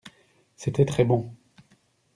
C’était très bon.